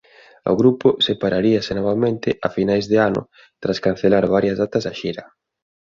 O grupo separaríase novamente a finais de ano tras cancelar varias datas da xira.